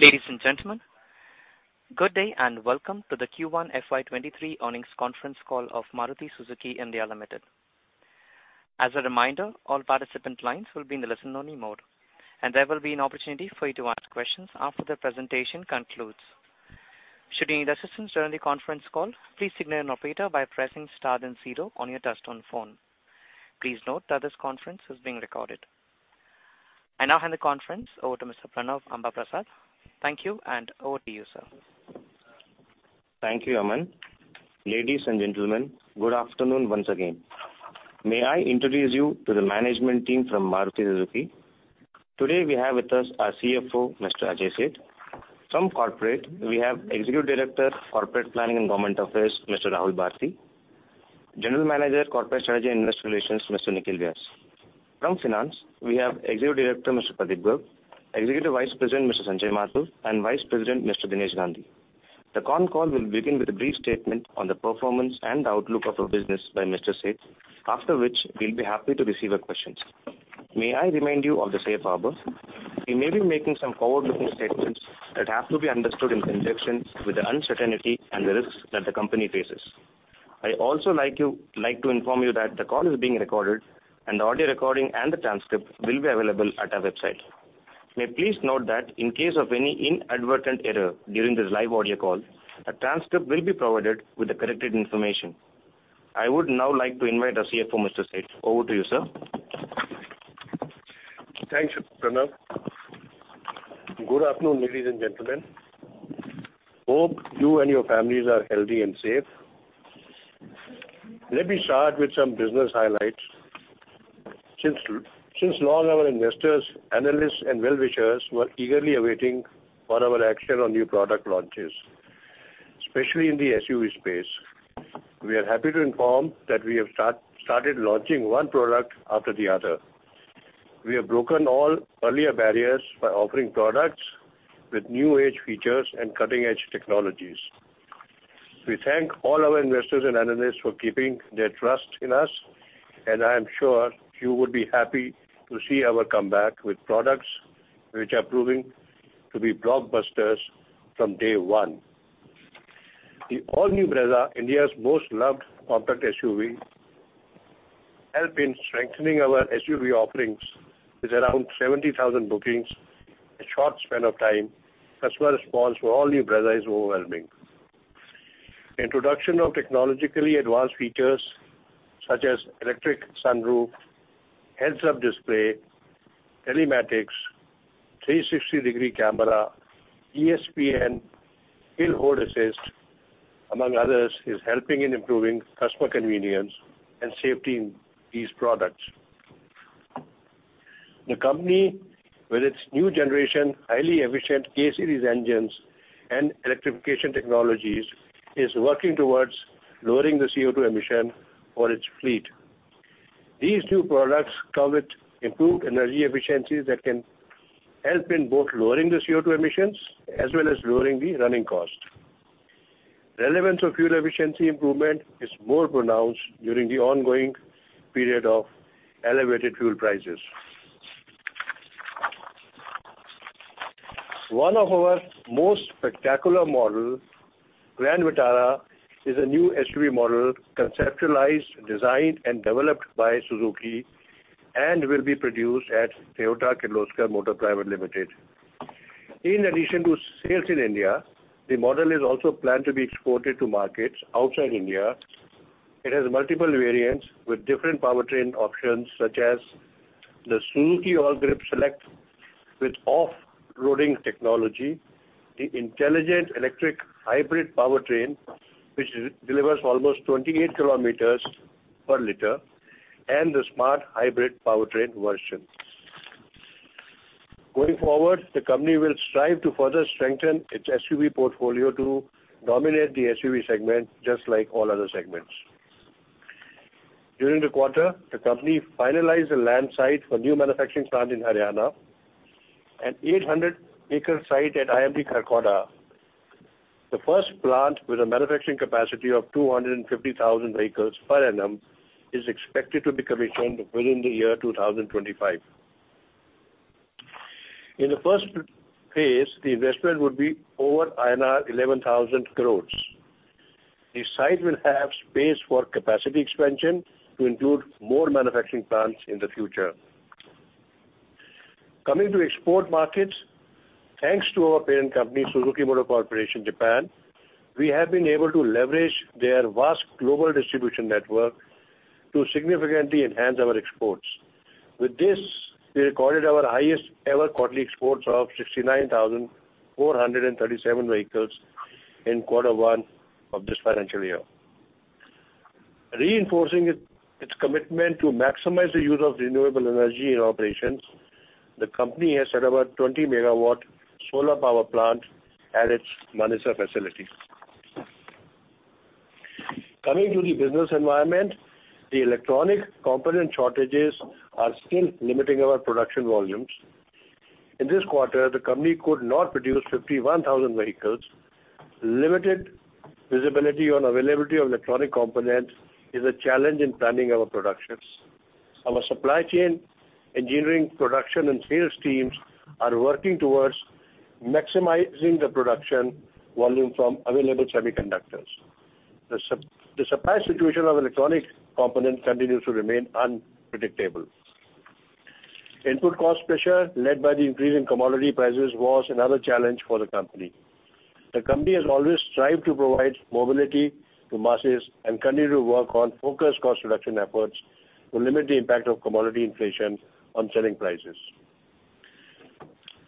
Ladies and gentlemen, good day, and welcome to the Q1 FY23 Earnings Conference Call of Maruti Suzuki India Limited. As a reminder, all participant lines will be in the listen-only mode, and there will be an opportunity for you to ask questions after the presentation concludes. Should you need assistance during the conference call, please signal an operator by pressing star then zero on your touch-tone phone. Please note that this conference is being recorded. I now hand the conference over to Mr. Pranav Ambaprasad. Thank you, and over to you, sir. Thank you, Aman. Ladies and gentlemen, good afternoon once again. May I introduce you to the management team from Maruti Suzuki. Today, we have with us our CFO, Mr. Ajay Seth. From corporate, we have Executive Director, Corporate Planning and Government Affairs, Mr. Rahul Bharti, General Manager, Corporate Strategy and Investor Relations, Mr. Nikhil Vyas. From finance, we have Executive Director, Mr. Pradeep Garg, Executive Vice President, Mr. Sanjay Mathur, and Vice President, Mr. Dinesh Gandhi. The call will begin with a brief statement on the performance and outlook of our business by Mr. Seth. After which, we'll be happy to receive your questions. May I remind you of the safe harbor. We may be making some forward-looking statements that have to be understood in conjunction with the uncertainty and the risks that the company faces. I also like to inform you that the call is being recorded, and the audio recording, and the transcript will be available at our website. May you please note that in case of any inadvertent error during this live audio call, a transcript will be provided with the corrected information. I would now like to invite our CFO, Mr. Seth. Over to you, sir. Thanks, Pranav. Good afternoon, ladies and gentlemen. Hope you and your families are healthy and safe. Let me start with some business highlights. Since long our investors, analysts, and well-wishers were eagerly awaiting on our action on new product launches, especially in the SUV space. We are happy to inform that we have started launching one product after the other. We have broken all earlier barriers by offering products with new age features and cutting-edge technologies. We thank all our investors and analysts for keeping their trust in us, and I am sure you would be happy to see our comeback with products which are proving to be blockbusters from day one. The all-new Brezza, India's most loved compact SUV, help in strengthening our SUV offerings with around 70,000 bookings, a short span of time. Customer response for all-new Brezza is overwhelming. Introduction of technologically advanced features such as electric sunroof, heads-up display, telematics, 360-degree camera, ESP, hill hold assist, among others, is helping in improving customer convenience and safety in these products. The company, with its new generation, highly efficient K-Series engines and electrification technologies, is working towards lowering the CO2 emission for its fleet. These new products come with improved energy efficiencies that can help in both lowering the CO2 emissions as well as lowering the running cost. Relevance of fuel efficiency improvement is more pronounced during the ongoing period of elevated fuel prices. One of our most spectacular model, Grand Vitara, is a new SUV model conceptualized, designed, and developed by Suzuki, and will be produced at Toyota Kirloskar Motor Private Limited. In addition to sales in India, the model is also planned to be exported to markets outside India. It has multiple variants with different powertrain options, such as the Suzuki AllGrip Select with off-roading technology, the intelligent electric hybrid powertrain, which delivers almost 28 kilometers per liter, and the smart hybrid powertrain version. Going forward, the company will strive to further strengthen its SUV portfolio to dominate the SUV segment just like all other segments. During the quarter, the company finalized the land site for new manufacturing plant in Haryana, an 800-acre site at IMT Kharkoda. The first plant with a manufacturing capacity of 250,000 vehicles per annum is expected to be commissioned within the year 2025. In the first phase, the investment would be over INR 11,000 crores. The site will have space for capacity expansion to include more manufacturing plants in the future. Coming to export markets, thanks to our parent company, Suzuki Motor Corporation, Japan, we have been able to leverage their vast global distribution network to significantly enhance our exports. With this, we recorded our highest-ever quarterly exports of 69,437 vehicles in quarter one of this financial year. Reinforcing its commitment to maximize the use of renewable energy in operations, the company has set up a 20-megawatt solar power plant at its Manesar facility. Coming to the business environment, the electronic component shortages are still limiting our production volumes. In this quarter, the company could not produce 51,000 vehicles. Limited visibility on availability of electronic components is a challenge in planning our productions. Our supply chain, engineering, production and sales teams are working towards maximizing the production volume from available semiconductors. The supply situation of electronic components continues to remain unpredictable. Input cost pressure led by the increase in commodity prices was another challenge for the company. The company has always strived to provide mobility to masses and continue to work on focused cost reduction efforts to limit the impact of commodity inflation on selling prices.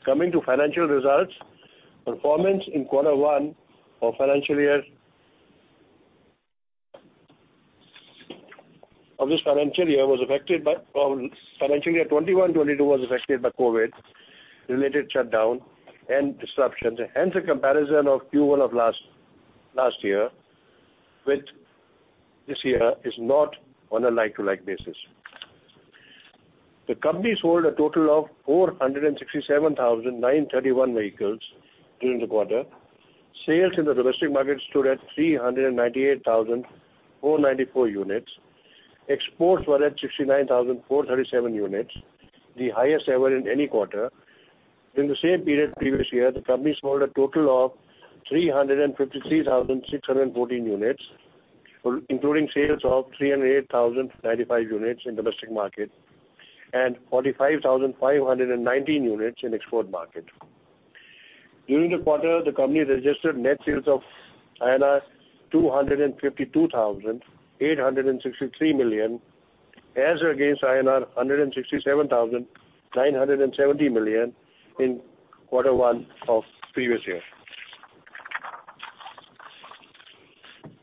Coming to financial results, performance in Q1 of FY 2021-22 was affected by COVID-related shutdown and disruptions. Hence, the comparison of Q1 of last year with this year is not on a like-to-like basis. The company sold a total of 467,931 vehicles during the quarter. Sales in the domestic market stood at 398,494 units. Exports were at 69,437 units, the highest ever in any quarter. In the same period previous year, the company sold a total of 353,614 units, including sales of 308,035 units in domestic market and 45,519 units in export market. During the quarter, the company registered net sales of 252,863 million, as against 167,970 million in quarter one of previous year.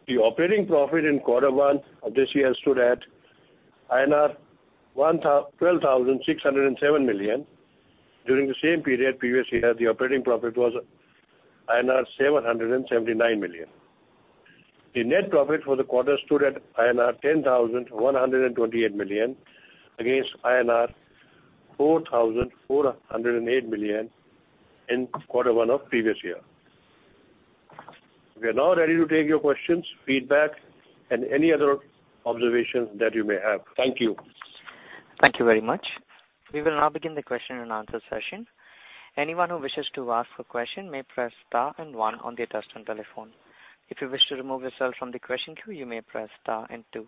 The operating profit in quarter one of this year stood at INR 12,607 million. During the same period previous year, the operating profit was INR 779 million. The net profit for the quarter stood at INR 10,128 million against INR 4,408 million in quarter one of previous year. We are now ready to take your questions, feedback, and any other observations that you may have. Thank you. Thank you very much. We will now begin the question and answer session. Anyone who wishes to ask a question may press star and one on their touchtone telephone. If you wish to remove yourself from the question queue, you may press star and two.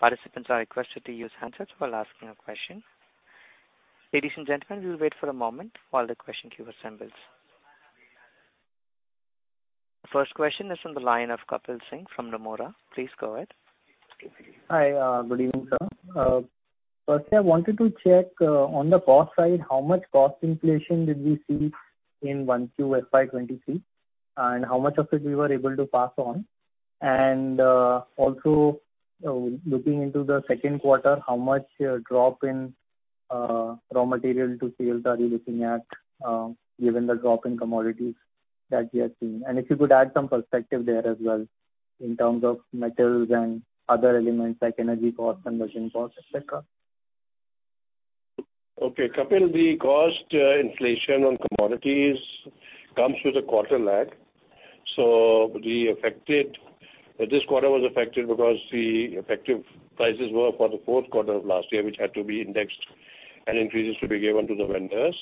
Participants are requested to use handsets while asking a question. Ladies and gentlemen, we will wait for a moment while the question queue assembles. First question is from the line of Kapil Singh from Nomura. Please go ahead. Hi. Good evening, sir. First I wanted to check on the cost side, how much cost inflation did we see in 1Q FY23, and how much of it we were able to pass on? Also, looking into the second quarter, how much drop in raw material to sales are you looking at, given the drop in commodities that we have seen? If you could add some perspective there as well in terms of metals and other elements like energy costs and margin costs, etc. Okay, Kapil, the cost inflation on commodities comes with a quarter lag, so this quarter was affected because the effective prices were for the fourth quarter of last year, which had to be indexed and increases to be given to the vendors.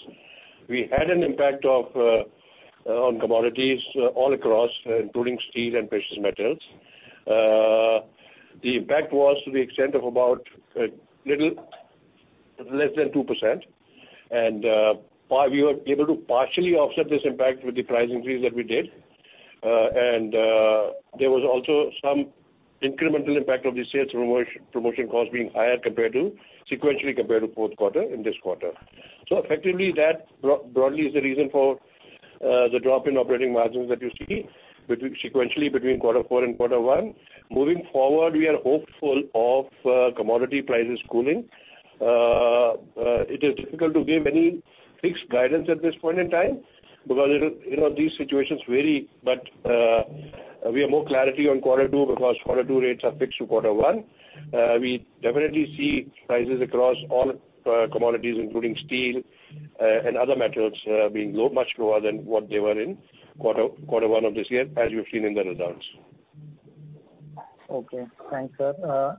We had an impact on commodities all across, including steel and precious metals. The impact was to the extent of about a little less than 2%. We were able to partially offset this impact with the price increase that we did. There was also some incremental impact of the sales promotion costs being higher sequentially compared to fourth quarter in this quarter. Effectively, that broadly is the reason for the drop in operating margins that you see sequentially between quarter four and quarter one. Moving forward, we are hopeful of commodity prices cooling. It is difficult to give any fixed guidance at this point in time because it'll, you know, these situations vary. We have more clarity on quarter two because quarter two rates are fixed to quarter one. We definitely see prices across all commodities, including steel and other metals being low, much lower than what they were in quarter one of this year, as you've seen in the results. Okay. Thanks, sir.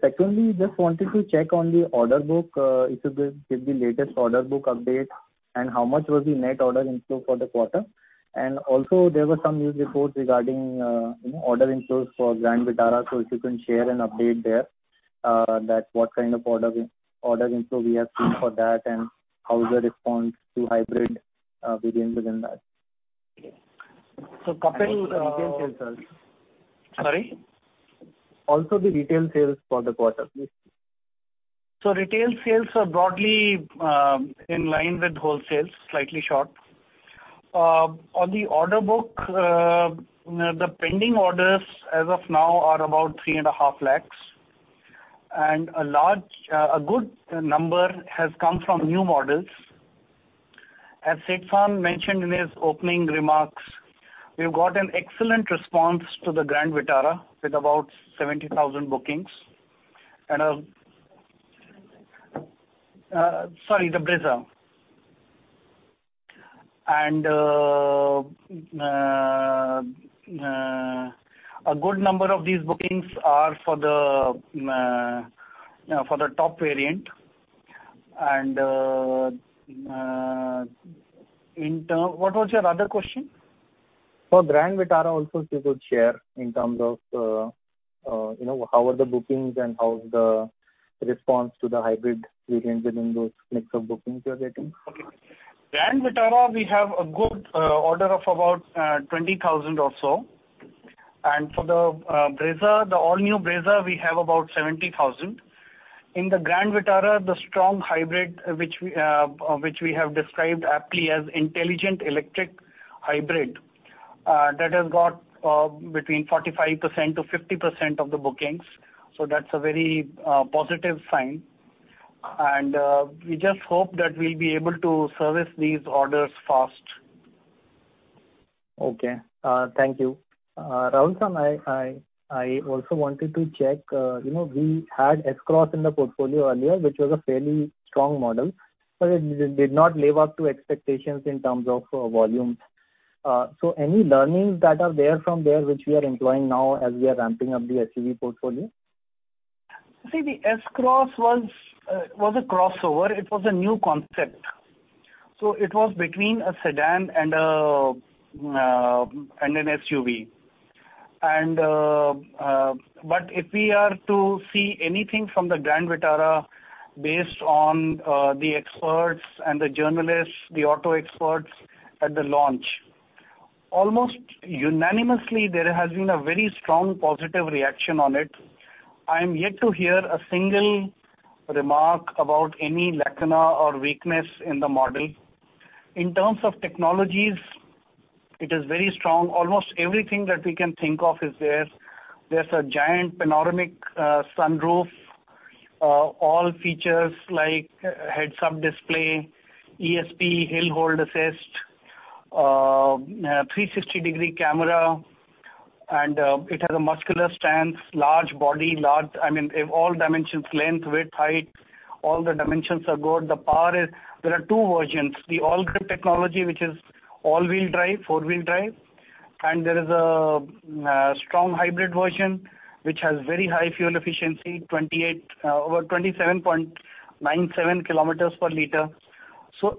Secondly, just wanted to check on the order book. If you could give the latest order book update and how much was the net order inflow for the quarter. Also there were some news reports regarding, you know, order inflows for Grand Vitara. If you can share an update there, that what kind of order inflow we have seen for that and how is the response to hybrid variants within that. Kapil uh. Also the retail sales, sir. Sorry? Also the retail sales for the quarter, please. Retail sales are broadly in line with wholesales, slightly short. On the order book, the pending orders as of now are about 3.5 lakh. A large, a good number has come from new models. As Shashank mentioned in his opening remarks, we've got an excellent response to the Grand Vitara with about 70,000 bookings. A good number of these bookings are for the top variant. What was your other question? For Grand Vitara also if you could share in terms of, you know, how are the bookings and how is the response to the hybrid variant within those mix of bookings you're getting? Okay. Grand Vitara we have a good order of about 20,000 or so. For the Brezza, the all-new Brezza, we have about 70,000. In the Grand Vitara, the strong hybrid which we have described aptly as intelligent electric hybrid, that has got between 45%-50% of the bookings. That's a very positive sign. We just hope that we'll be able to service these orders fast. Okay. Thank you. Mr. Rahul Bharti, I also wanted to check, you know, we had S-Cross in the portfolio earlier, which was a fairly strong model. It did not live up to expectations in terms of volumes. Any learnings that are there from there which we are employing now as we are ramping up the SUV portfolio? See, the S-Cross was a crossover. It was a new concept, so it was between a sedan and an SUV. But if we are to see anything from the Grand Vitara based on the experts and the journalists, the auto experts at the launch, almost unanimously there has been a very strong positive reaction on it. I'm yet to hear a single remark about any lacuna or weakness in the model. In terms of technologies, it is very strong. Almost everything that we can think of is there. There's a giant panoramic sunroof. All features like heads-up display, ESP, hill hold assist, 360-degree camera, and it has a muscular stance, large body, all dimensions, length, width, height, all the dimensions are good. The power is. There are two versions, the AllGrip technology which is all-wheel drive, four-wheel drive, and there is a strong hybrid version which has very high fuel efficiency, over 27.97 kilometers per liter.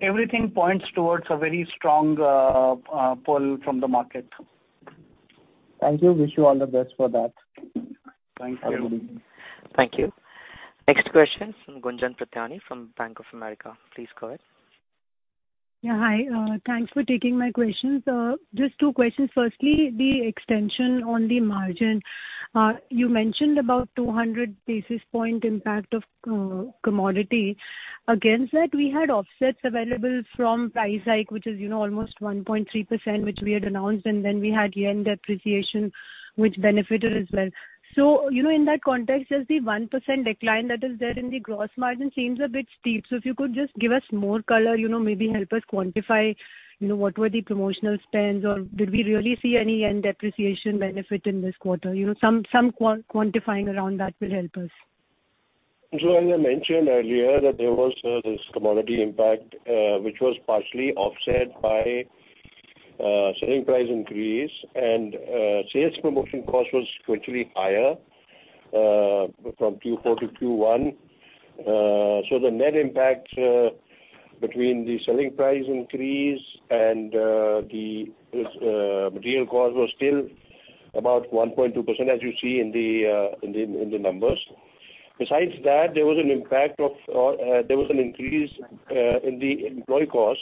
Everything points towards a very strong pull from the market. Thank you. Wish you all the best for that. Thank you. Have a good evening. Thank you. Next question from Gunjan Prithyani from Bank of America. Please go ahead. Yeah, hi. Thanks for taking my questions. Just two questions. Firstly, the explanation on the margin. You mentioned about 200 basis points impact of commodity. Against that we had offsets available from price hike, which is, you know, almost 1.3% which we had announced, and then we had yen depreciation which benefited as well. You know, in that context, just the 1% decline that is there in the gross margin seems a bit steep. If you could just give us more color, you know, maybe help us quantify, you know, what were the promotional spends, or did we really see any yen depreciation benefit in this quarter? You know, some quantifying around that will help us. As I mentioned earlier, that there was this commodity impact, which was partially offset by selling price increase and sales promotion cost was slightly higher from Q4 to Q1. The net impact between the selling price increase and the material cost was still about 1.2% as you see in the numbers. Besides that, there was an increase in the employee cost,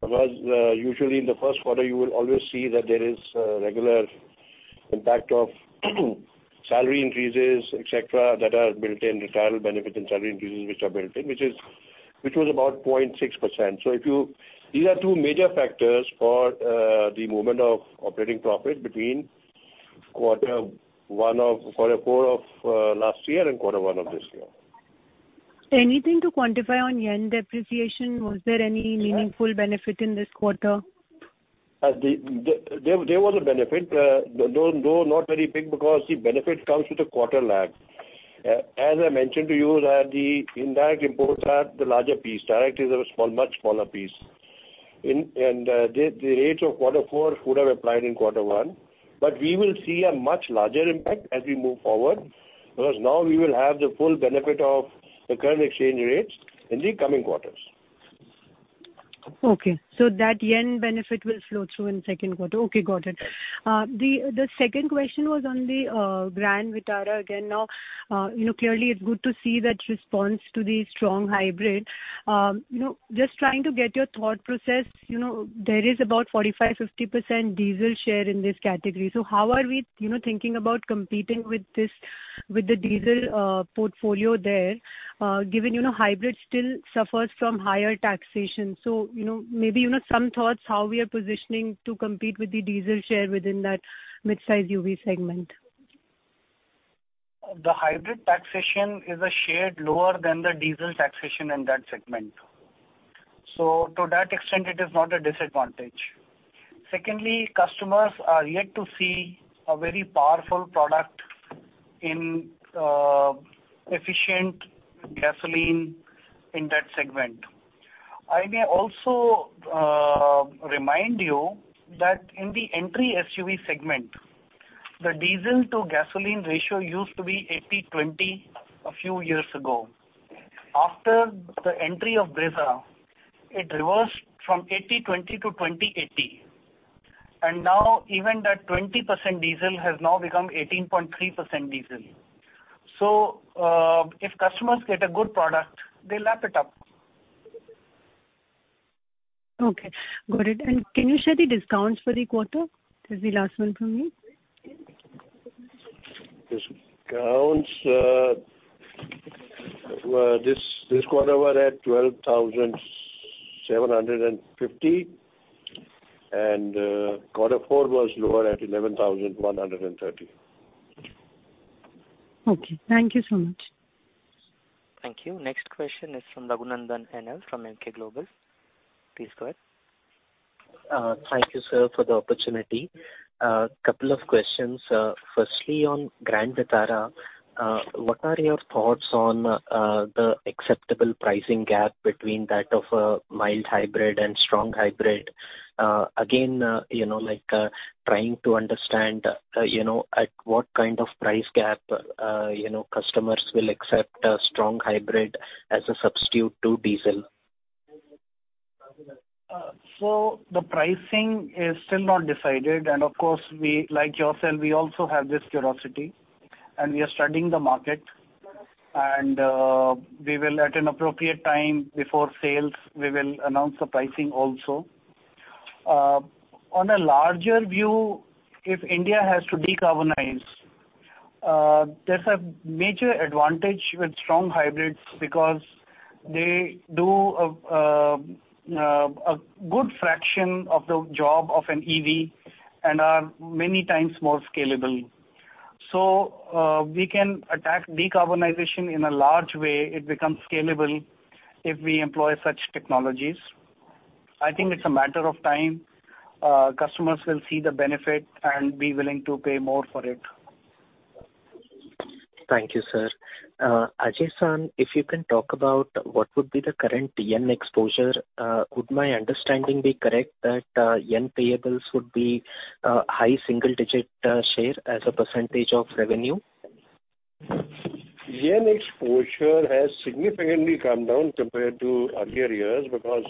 because usually in the first quarter you will always see that there is a regular impact of salary increases, et cetera, that are built in, retirement benefits and salary increases which are built in, which was about 0.6%. If you, these are two major factors for the movement of operating profit between quarter four of last year and quarter one of this year. Anything to quantify on yen depreciation? Was there any meaningful benefit in this quarter? There was a benefit. Though not very big because the benefit comes with a quarter lag. As I mentioned to you that the indirect imports are the larger piece. Direct is a small, much smaller piece. The rates of quarter four would have applied in quarter one. We will see a much larger impact as we move forward because now we will have the full benefit of the current exchange rates in the coming quarters. Okay. That yen benefit will flow through in second quarter. Okay, got it. The second question was on the Grand Vitara again now. You know, clearly it's good to see that response to the strong hybrid. You know, just trying to get your thought process. You know, there is about 45%-50% diesel share in this category. How are we, you know, thinking about competing with this, with the diesel portfolio there, given, you know, hybrid still suffers from higher taxation. You know, maybe some thoughts how we are positioning to compete with the diesel share within that midsize UV segment. The hybrid taxation is a shade lower than the diesel taxation in that segment. To that extent it is not a disadvantage. Secondly, customers are yet to see a very powerful product in efficient gasoline in that segment. I may also remind you that in the entry SUV segment, the diesel to gasoline ratio used to be 80/20 a few years ago. After the entry of Brezza, it reversed from 80/20 to 20/80, and now even that 20% diesel has now become 18.3% diesel. If customers get a good product, they'll lap it up. Okay. Got it. Can you share the discounts for the quarter? This is the last one from me. Discounts this quarter were at 12,750. Quarter four was lower at 11,130. Okay. Thank you so much. Thank you. Next question is from Raghunandhan N.L. from Emkay Global. Please go ahead. Thank you, sir, for the opportunity. Couple of questions. Firstly, on Grand Vitara, what are your thoughts on the acceptable pricing gap between that of a mild hybrid and strong hybrid? Again, you know, like, trying to understand, you know, at what kind of price gap, you know, customers will accept a strong hybrid as a substitute to diesel. The pricing is still not decided. Of course, we, like yourself, we also have this curiosity, and we are studying the market. We will at an appropriate time before sales, we will announce the pricing also. On a larger view, if India has to decarbonize, there's a major advantage with strong hybrids because they do a good fraction of the job of an EV and are many times more scalable. We can attack decarbonization in a large way. It becomes scalable if we employ such technologies. I think it's a matter of time. Customers will see the benefit and be willing to pay more for it. Thank you, sir. Mr. Ajay Seth, if you can talk about what would be the current yen exposure. Would my understanding be correct that yen payables would be a high single digit share as a percentage of revenue? Yen exposure has significantly come down compared to earlier years because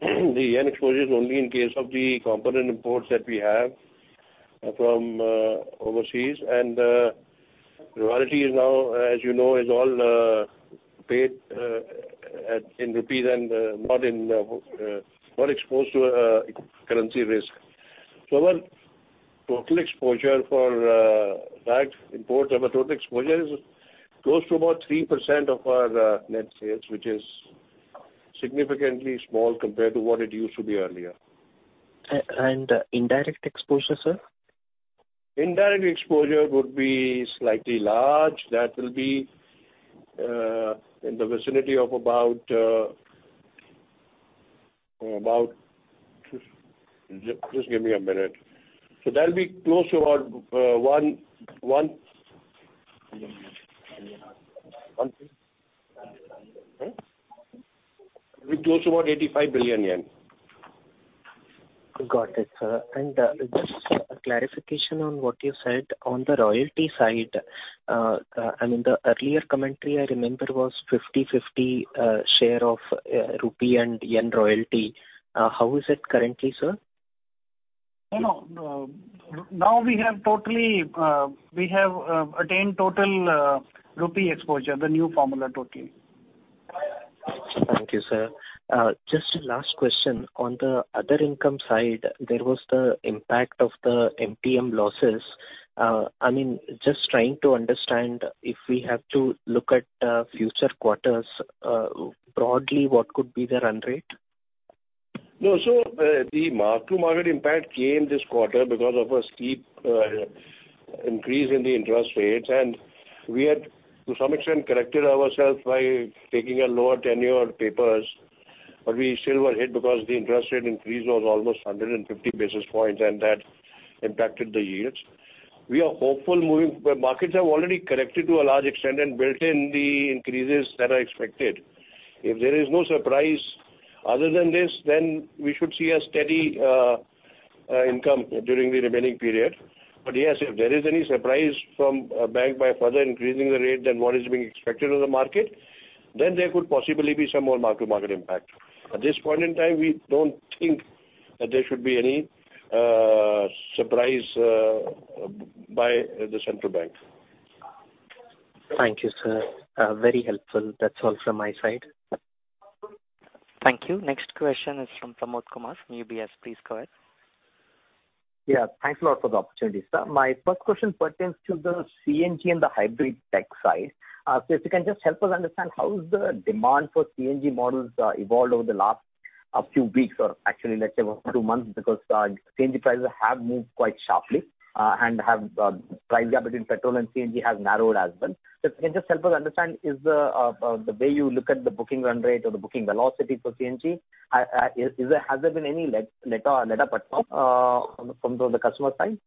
the yen exposure is only in case of the component imports that we have from overseas. Royalty is now, as you know, all paid in rupee and not exposed to a currency risk. Our total exposure for that import is close to about 3% of our net sales, which is significantly small compared to what it used to be earlier. Indirect exposure, sir? Indirect exposure would be slightly large. That will be in the vicinity of about. Just give me a minute. That'll be close to about 85 billion yen. Got it, sir. Just a clarification on what you said on the royalty side. I mean, the earlier commentary I remember was 50/50 share of rupee and yen royalty. How is it currently, sir? No, no. Now we have totally attained total rupee exposure, the new formula totally. Thank you, sir. Just last question. On the other income side, there was the impact of the MTM losses. I mean, just trying to understand if we have to look at future quarters, broadly, what could be the run rate? No, the mark to market impact came this quarter because of a steep increase in the interest rates. We had, to some extent, corrected ourselves by taking a lower tenure papers, but we still were hit because the interest rate increase was almost 150 basis points, and that impacted the yields. We are hopeful. Markets have already corrected to a large extent and built in the increases that are expected. If there is no surprise other than this, then we should see a steady income during the remaining period. Yes, if there is any surprise from a bank by further increasing the rate than what is being expected on the market, then there could possibly be some more mark to market impact. At this point in time, we don't think that there should be any surprise by the central bank. Thank you, sir. Very helpful. That's all from my side. Thank you. Next question is from Pramod Kumar from UBS. Please go ahead. Yeah. Thanks a lot for the opportunity, sir. My first question pertains to the CNG and the hybrid tech side. So if you can just help us understand how is the demand for CNG models evolved over the last few weeks or actually let's say over two months because CNG prices have moved quite sharply and the price gap between petrol and CNG has narrowed as well. If you can just help us understand the way you look at the booking run rate or the booking velocity for CNG, has there been any letup at all from the customer side?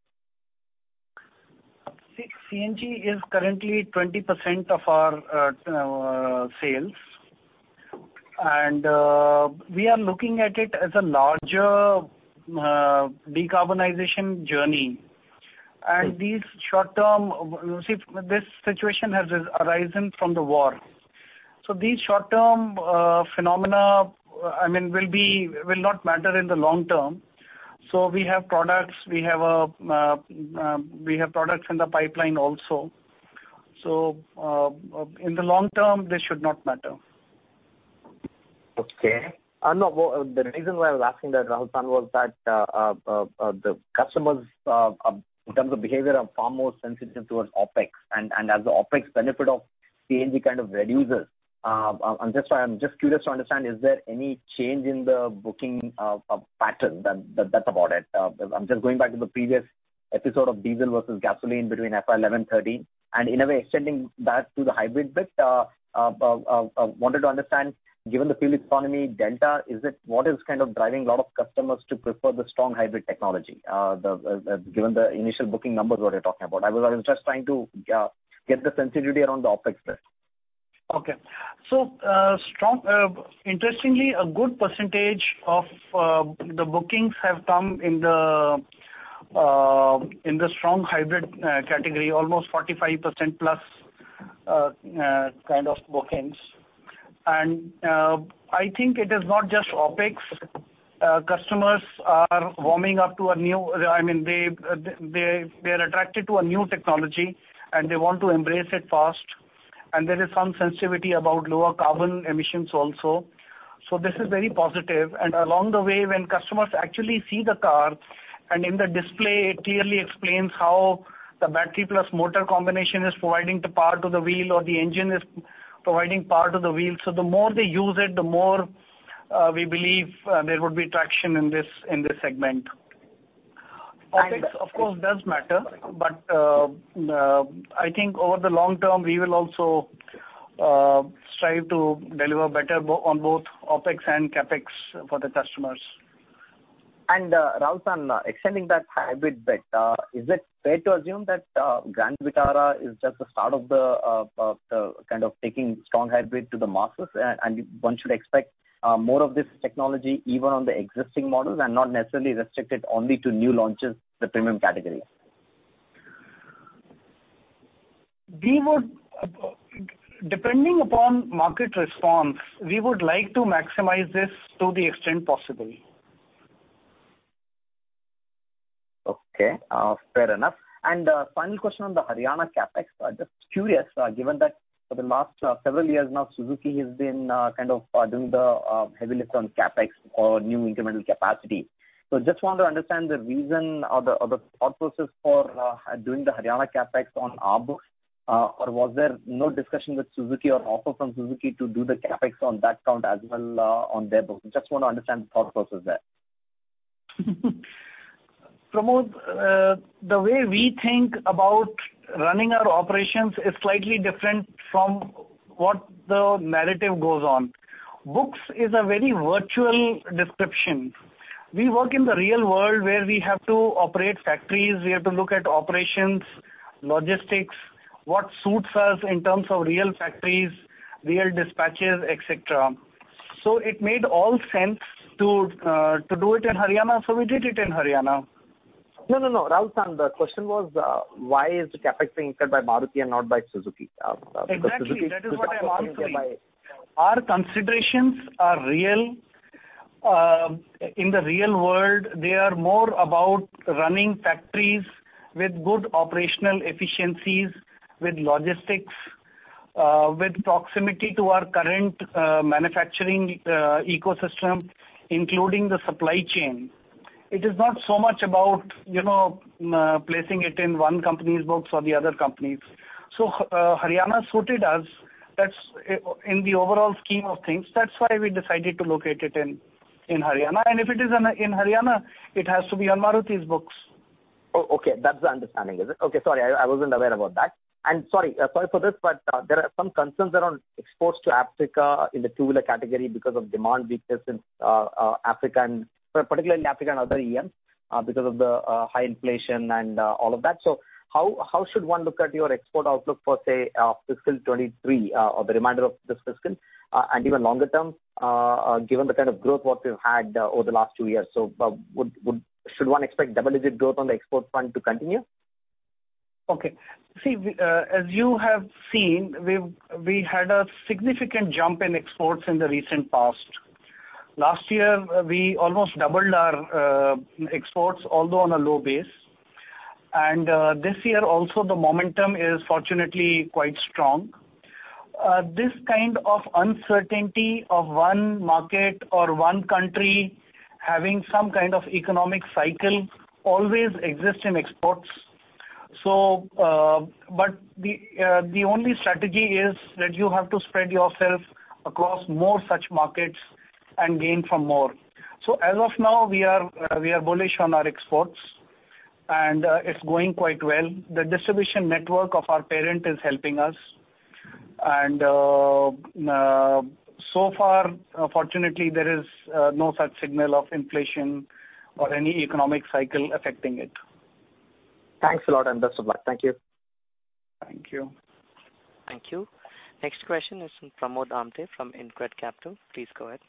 See, CNG is currently 20% of our sales. We are looking at it as a larger decarbonization journey. Right. This situation has arisen from the war. These short-term phenomena, I mean, will not matter in the long term. We have products in the pipeline also. In the long term, this should not matter. Okay. No, well, the reason why I was asking that, Mr. Rahul Bharti, was that the customers, in terms of behavior, are far more sensitive towards OpEx. As the OpEx benefit of CNG kind of reduces, I'm just curious to understand, is there any change in the booking pattern? That's about it. I'm just going back to the previous episode of diesel versus gasoline between FY 2011, 2013, and in a way extending that to the hybrid bit. Wanted to understand, given the fuel economy delta, what is kind of driving a lot of customers to prefer the strong hybrid technology? Given the initial booking numbers what you're talking about. I was just trying to get the sensitivity around the OpEx there. Strong, interestingly, a good percentage of the bookings have come in the strong hybrid category, almost 45% plus kind of bookings. I think it is not just OpEx. Customers are warming up to a new, I mean, they are attracted to a new technology, and they want to embrace it fast. There is some sensitivity about lower carbon emissions also. This is very positive. Along the way, when customers actually see the car, and in the display it clearly explains how the battery plus motor combination is providing the power to the wheel, or the engine is providing power to the wheel. The more they use it, the more we believe there would be traction in this segment. And, uh- OpEx, of course, does matter. I think over the long term, we will also strive to deliver better on both OpEx and CapEx for the customers. Mr. Rahul Bharti, extending that hybrid bit, is it fair to assume that Grand Vitara is just the start of the kind of taking strong hybrid to the masses, and one should expect more of this technology even on the existing models and not necessarily restricted only to new launches, the premium category? We would, depending upon market response, we would like to maximize this to the extent possible. Okay, fair enough. Final question on the Haryana CapEx. Just curious, given that for the last several years now, Suzuki has been kind of doing the heavy lift on CapEx for new incremental capacity. Just want to understand the reason or the thought process for doing the Haryana CapEx on our books. Was there no discussion with Suzuki or offer from Suzuki to do the CapEx on that front as well, on their books? Just want to understand the thought process there. Pramod, the way we think about running our operations is slightly different from what the narrative goes on. But it's a very virtual description. We work in the real world where we have to operate factories, we have to look at operations, logistics, what suits us in terms of real factories, real dispatches, et cetera. It made all sense to do it in Haryana, so we did it in Haryana. No, no, Rahul-san, the question was, why is the CapEx being incurred by Maruti and not by Suzuki? Because Suzuki- Exactly. That is what I am saying. Suzuki could have easily buy. Our considerations are real. In the real world, they are more about running factories with good operational efficiencies, with logistics, with proximity to our current manufacturing ecosystem, including the supply chain. It is not so much about, you know, placing it in one company's books or the other company's. Haryana suited us. That's in the overall scheme of things. That's why we decided to locate it in Haryana. If it is in Haryana, it has to be on Maruti's books. Okay, that's the understanding, is it? Okay, sorry, I wasn't aware about that. Sorry for this, but there are some concerns around exports to Africa in the two-wheeler category because of demand weakness in Africa, particularly in other EMs because of the high inflation and all of that. How should one look at your export outlook for, say, fiscal 2023 or the remainder of this fiscal and even longer term given the kind of growth what we've had over the last two years? Should one expect double-digit growth on the export front to continue? Okay. See, as you have seen, we had a significant jump in exports in the recent past. Last year, we almost doubled our exports, although on a low base. This year also the momentum is fortunately quite strong. This kind of uncertainty of one market or one country having some kind of economic cycle always exists in exports. The only strategy is that you have to spread yourself across more such markets and gain from more. As of now, we are bullish on our exports, and it's going quite well. The distribution network of our parent is helping us. So far, fortunately, there is no such signal of inflation or any economic cycle affecting it. Thanks a lot, and best of luck. Thank you. Thank you. Thank you. Next question is from Pramod Amthe from InCred Capital. Please go ahead.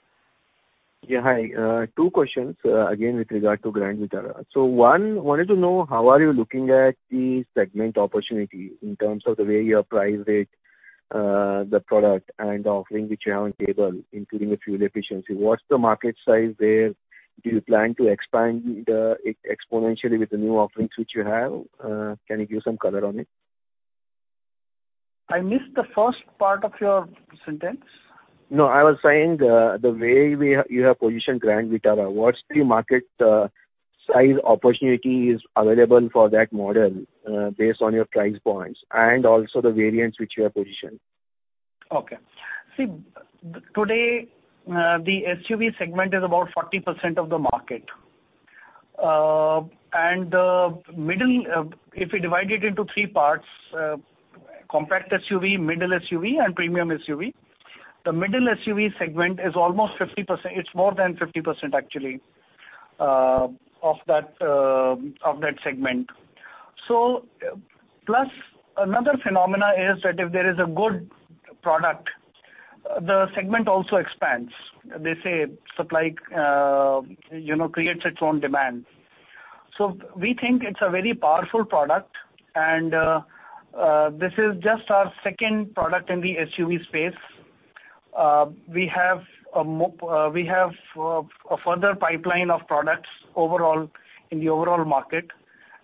Yeah, hi. Two questions, again, with regard to Grand Vitara. One, wanted to know how are you looking at the segment opportunity in terms of the way you have priced it, the product and the offering which you have on table, including the fuel efficiency. What's the market size there? Do you plan to expand it, exponentially with the new offerings which you have? Can you give some color on it? I missed the first part of your sentence. No, I was saying, you have positioned Grand Vitara, what's the market size opportunity is available for that model, based on your price points and also the variants which you have positioned? Okay. See, today, the SUV segment is about 40% of the market. The middle, if we divide it into three parts, compact SUV, middle SUV and premium SUV, the middle SUV segment is almost 50%. It's more than 50% actually, of that segment. Plus another phenomenon is that if there is a good product, the segment also expands. They say supply, you know, creates its own demand. We think it's a very powerful product and, this is just our second product in the SUV space. We have a further pipeline of products overall in the market,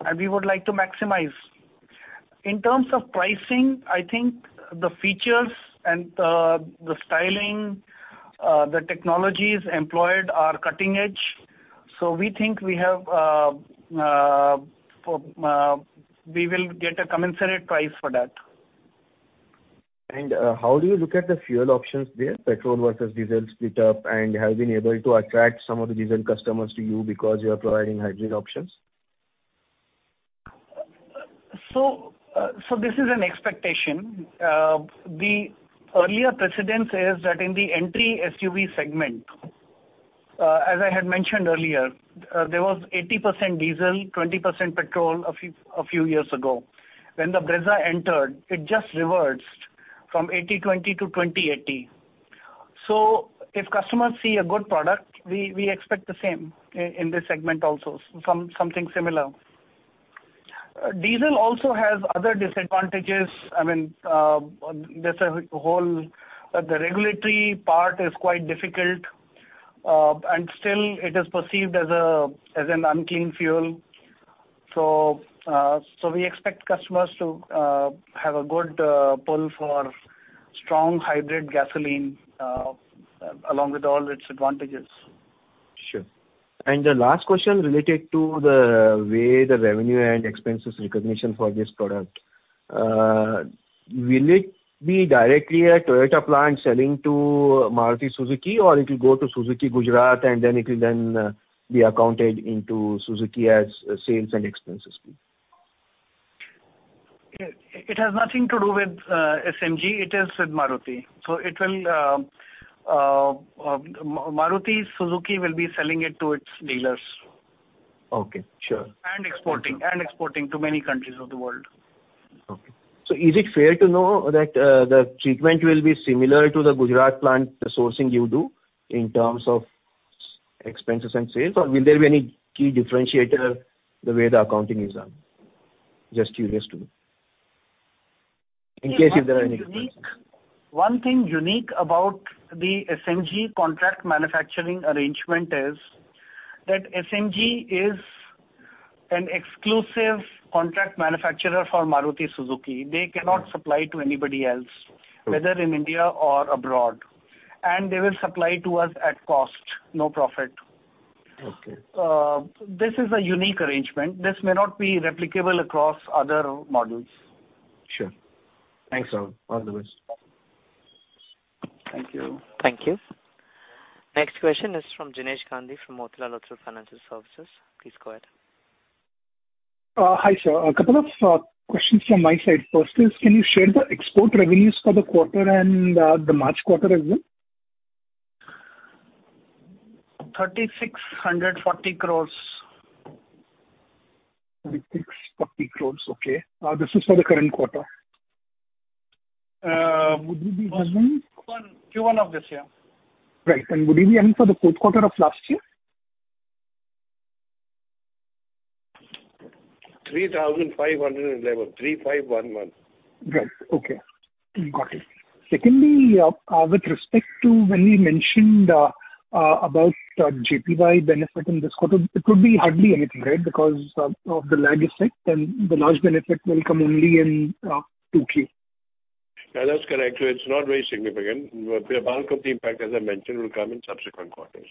and we would like to maximize. In terms of pricing, I think the features and, the styling, the technologies employed are cutting edge. We will get a commensurate price for that. How do you look at the fuel options there, petrol versus diesel split up? Have you been able to attract some of the diesel customers to you because you are providing hybrid options? This is an expectation. The earlier precedent is that in the entry SUV segment, as I had mentioned earlier, there was 80% diesel, 20% petrol a few years ago. When the Brezza entered, it just reversed from 80/20 to 20/80. If customers see a good product, we expect the same in this segment also, something similar. Diesel also has other disadvantages. I mean, there's a whole, the regulatory part is quite difficult. Still it is perceived as an unclean fuel. We expect customers to have a good pull for strong hybrid gasoline, along with all its advantages. Sure. The last question related to the way the revenue and expenses recognition for this product. Will it be directly a Toyota plant selling to Maruti Suzuki, or it will go to Suzuki Gujarat and then it will be accounted into Suzuki as sales and expenses? It has nothing to do with SMG. It is with Maruti. Maruti Suzuki will be selling it to its dealers. Okay. Sure. Exporting to many countries of the world. Okay. Is it fair to know that, the treatment will be similar to the Gujarat plant sourcing you do in terms of expenses and sales, or will there be any key differentiator the way the accounting is done? Just curious to know. In case if there are any concerns. One thing unique about the SMG contract manufacturing arrangement is that SMG is an exclusive contract manufacturer for Maruti Suzuki. They cannot supply to anybody else- Okay. whether in India or abroad. They will supply to us at cost, no profit. Okay. This is a unique arrangement. This may not be replicable across other models. Sure. Thanks, Rahul. All the best. Thank you. Thank you. Next question is from Jinesh Gandhi from Motilal Oswal Financial Services. Please go ahead. Hi, sir. A couple of questions from my side. First is can you share the export revenues for the quarter and the March quarter as well? 3,640 crores. 3,640 crores. Okay. This is for the current quarter. Would you be willing- Q1 of this year. Right. Would you be willing for the fourth quarter of last year? Three thousand five hundred eleven, three five one one. Right. Okay. Got it. Secondly, with respect to when you mentioned about JPY benefit in this quarter, it would be hardly anything, right? Because of the lag effect, and the large benefit will come only in 2Q. Yeah, that's correct. It's not very significant. The bulk of the impact, as I mentioned, will come in subsequent quarters.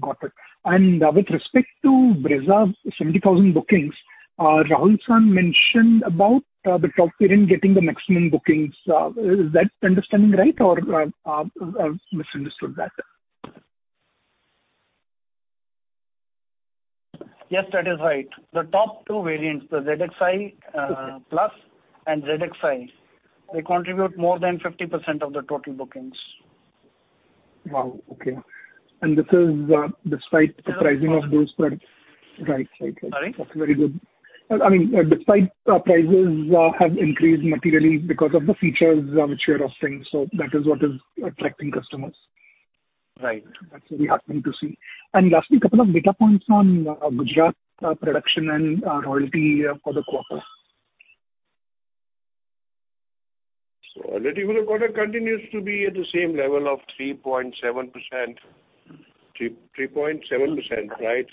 Got it. With respect to Brezza 70,000 bookings, Rahul San mentioned about the top period getting the maximum bookings. Is that understanding right or do I misunderstood that? Yes, that is right. The top two variants, the ZXi plus and ZXi, they contribute more than 50% of the total bookings. Wow, okay. This is, despite the pricing of those products. Right. Sorry? That's very good. I mean, despite prices have increased materially because of the features, which we are offering, so that is what is attracting customers. Right. That's very heartening to see. Lastly, a couple of data points on Gujarat production and royalty for the quarter. Royalty for the quarter continues to be at the same level of 3.7%, right.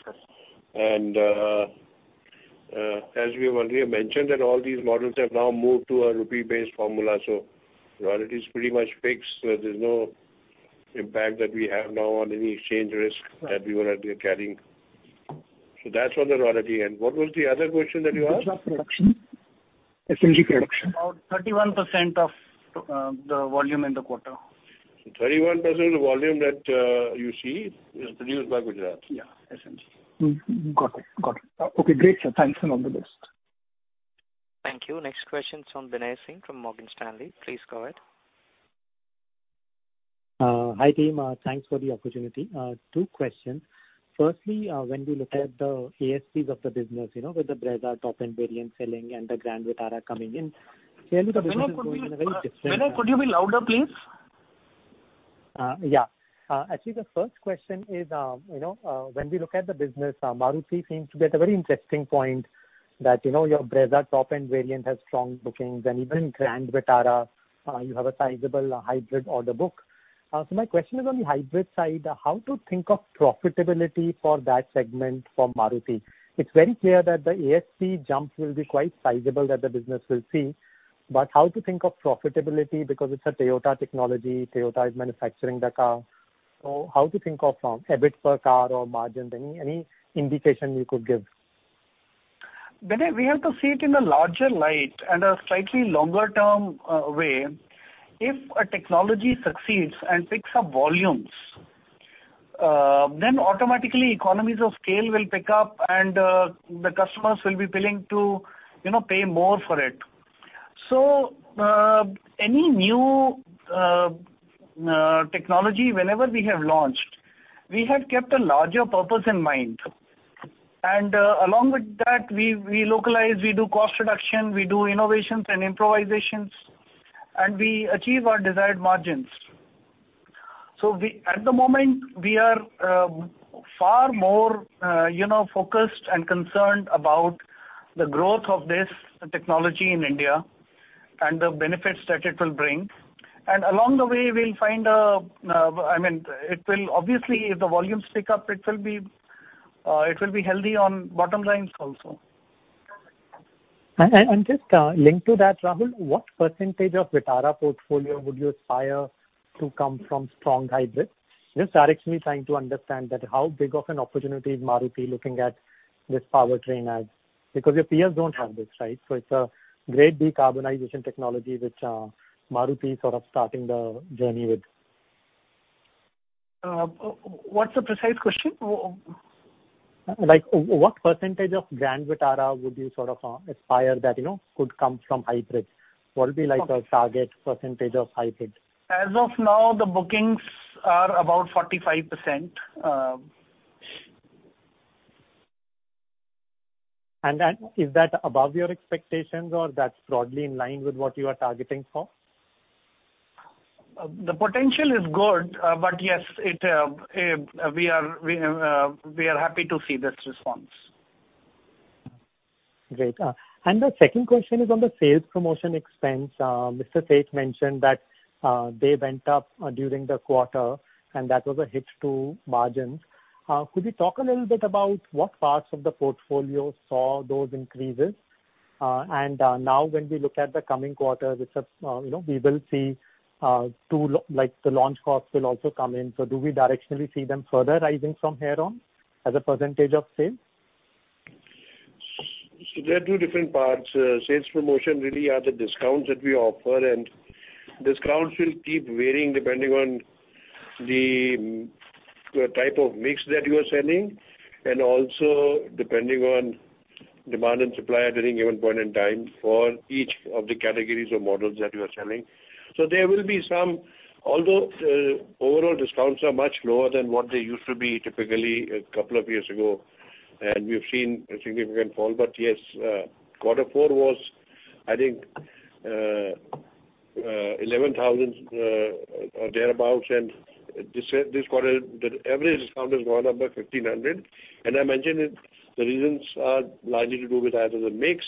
As we have already mentioned that all these models have now moved to a rupee-based formula, so royalty is pretty much fixed. There's no impact that we have now on any exchange risk that we were earlier carrying. That's on the royalty. What was the other question that you asked? Gujarat production. SMG production. About 31% of the volume in the quarter. 31% of the volume that you see is produced by Gujarat. Yeah, SMG. Got it. Okay, great, sir. Thanks, and all the best. Thank you. Next question is from Binay Singh from Morgan Stanley. Please go ahead. Hi, team. Thanks for the opportunity. Two questions. Firstly, when we look at the ASPs of the business, you know, with the Brezza top-end variant selling and the Grand Vitara coming in, clearly the business is going in a very different- Binay, could you be louder, please? Yeah. Actually the first question is, you know, when we look at the business, Maruti seems to be at a very interesting point that, you know, your Brezza top-end variant has strong bookings, and even Grand Vitara, you have a sizable hybrid order book. My question is on the hybrid side, how to think of profitability for that segment for Maruti. It's very clear that the ASP jump will be quite sizable that the business will see. How to think of profitability because it's a Toyota technology, Toyota is manufacturing the car. How to think of EBIT per car or margin? Any indication you could give? Binay, we have to see it in a larger light and a slightly longer-term way. If a technology succeeds and picks up volumes, then automatically economies of scale will pick up and, the customers will be willing to, you know, pay more for it. Any new technology, whenever we have launched, we have kept a larger purpose in mind. Along with that we localize, we do cost reduction, we do innovations and improvisations, and we achieve our desired margins. At the moment, we are far more, you know, focused and concerned about the growth of this technology in India and the benefits that it will bring. Along the way, we'll find a, I mean, it will obviously, if the volumes pick up, it will be healthy on bottom lines also. Just linked to that, Rahul, what percentage of Vitara portfolio would you aspire to come from strong hybrids? Just directionally trying to understand how big of an opportunity is Maruti looking at this powertrain as, because your peers don't have this, right? It's a great decarbonization technology, which Maruti is sort of starting the journey with. What's the precise question? Like what percentage of Grand Vitara would you sort of aspire that, you know, could come from hybrids? What'll be like a target percentage of hybrids? As of now, the bookings are about 45%. Is that above your expectations or that's broadly in line with what you are targeting for? The potential is good, but yes, we are happy to see this response. Great. And the second question is on the sales promotion expense. Mr. Seth mentioned that they went up during the quarter, and that was a hit to margins. Could you talk a little bit about what parts of the portfolio saw those increases? And now when we look at the coming quarter, which is, you know, we will see like the launch costs will also come in. Do we directionally see them further rising from here on as a percentage of sales? There are two different parts. Sales promotion really are the discounts that we offer, and discounts will keep varying depending on the type of mix that you are selling and also depending on demand and supply during any given point in time for each of the categories or models that you are selling. There will be some, although overall discounts are much lower than what they used to be typically a couple of years ago, and we've seen a significant fall. Yes, quarter four was I think 11,000 or thereabout. This quarter the average discount has gone up by 1,500. I mentioned it, the reasons are largely to do with either the mix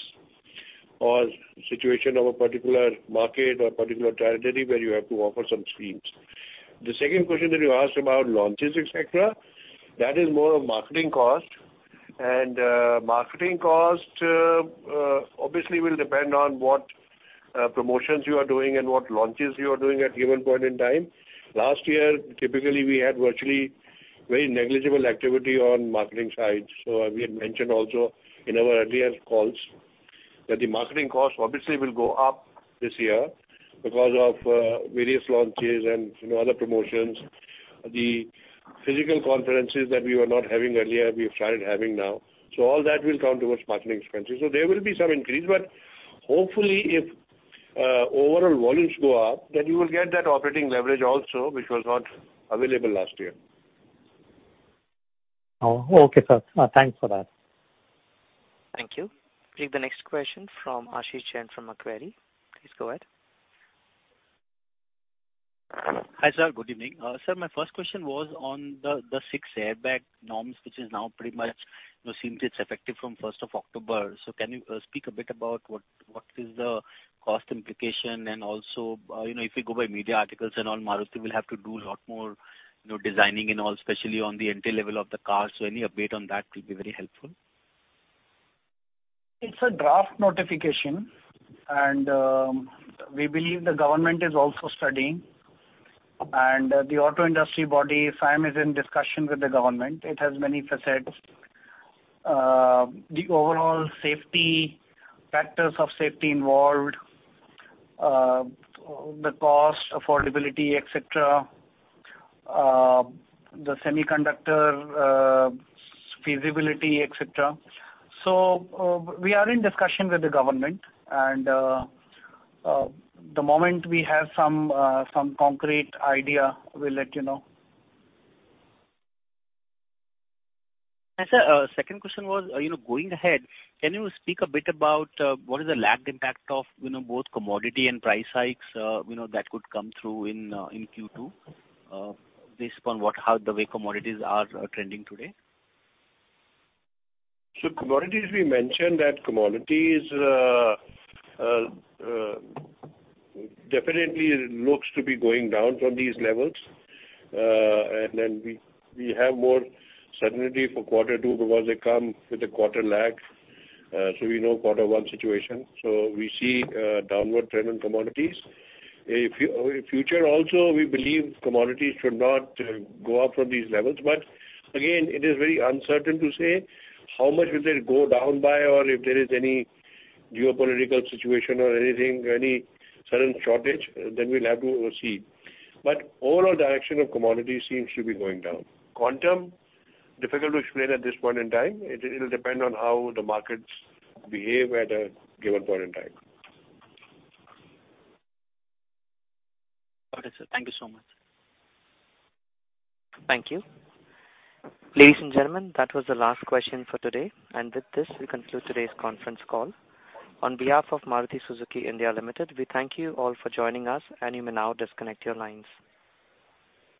or situation of a particular market or particular territory where you have to offer some schemes. The second question that you asked about launches, et cetera, that is more of marketing cost. Marketing cost obviously will depend on what promotions you are doing and what launches you are doing at a given point in time. Last year, typically, we had virtually very negligible activity on marketing side. We had mentioned also in our earlier calls that the marketing costs obviously will go up this year because of various launches and, you know, other promotions. The physical conferences that we were not having earlier, we have started having now. All that will count towards marketing expenses. There will be some increase, but hopefully if overall volumes go up, then you will get that operating leverage also, which was not available last year. Oh, okay, sir. Thanks for that. Thank you. Take the next question from Ashish Jain from Macquarie. Please go ahead. Hi, sir. Good evening. Sir, my first question was on the six airbag norms, which is now pretty much, you know, seems it's effective from first of October. Can you speak a bit about what is the cost implication and also, you know, if you go by media articles and all, Maruti will have to do a lot more, you know, designing and all, especially on the entry level of the car. Any update on that will be very helpful. It's a draft notification, and we believe the government is also studying. The auto industry body, SIAM, is in discussion with the government. It has many facets. The overall safety, factors of safety involved, the cost, affordability, et cetera, the semiconductor, feasibility, et cetera. We are in discussion with the government and the moment we have some concrete idea, we'll let you know. Sir, second question was, you know, going ahead, can you speak a bit about what is the lagged impact of, you know, both commodities and price hikes, you know, that could come through in Q2, based upon how the commodities are trending today? Commodities, we mentioned that commodities definitely looks to be going down from these levels. We have more certainty for quarter two because they come with a quarter lag, so we know quarter one situation. We see a downward trend in commodities. In future also, we believe commodities should not go up from these levels. It is very uncertain to say how much will they go down by or if there is any geopolitical situation or anything, any sudden shortage, then we'll have to see. Overall direction of commodities seems to be going down. Quantum, difficult to explain at this point in time. It'll depend on how the markets behave at a given point in time. Okay, sir. Thank you so much. Thank you. Ladies and gentlemen, that was the last question for today. With this, we conclude today's conference call. On behalf of Maruti Suzuki India Limited, we thank you all for joining us, and you may now disconnect your lines.